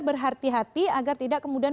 berhati hati agar tidak kemudian